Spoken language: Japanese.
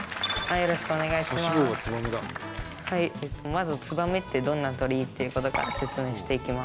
まず「ツバメってどんな鳥？」っていうことから説明していきます。